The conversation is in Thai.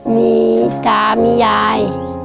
มีตามียาย